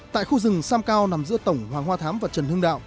tại khu rừng sam cao nằm giữa tổng hoàng hoa thám và trần hưng đạo